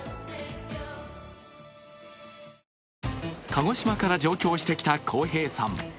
鹿児島から上京してきた幸平さん。